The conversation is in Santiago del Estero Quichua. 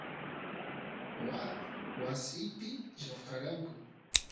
waas wasipi lloqachkanku